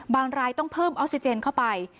รายต้องเพิ่มออกซิเจนเข้าไป